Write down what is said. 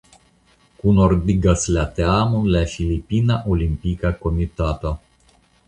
Kunordigas la teamon la Filipina Olimpika Komitato.